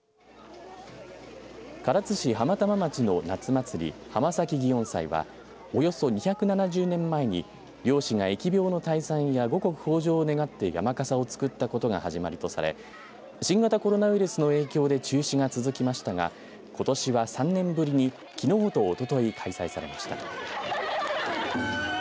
唐津市浜玉町の夏祭り、浜崎祇園祭はおよそ２７０年前に漁師が疫病の退散や五穀豊じょうを願って山かさを造ったことが始まりとされ新型コロナウイルスの影響で中止が続きましたがことしは３年ぶりにきのうとおととい開催されました。